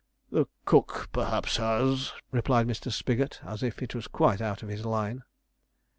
'The cook perhaps has,' replied Mr. Spigot, as if it was quite out of his line.